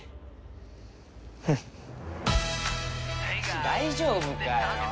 足大丈夫かよ！